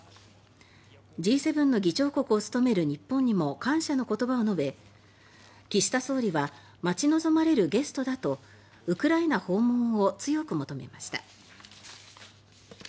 Ｇ７の議長国を務める日本にも感謝の言葉を述べ岸田総理は待ち望まれるゲストだとウクライナ訪問を強く求めました。